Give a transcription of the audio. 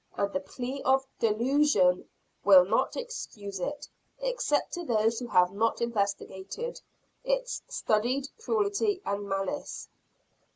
And the plea of "delusion" will not excuse it, except to those who have not investigated its studied cruelty and malice.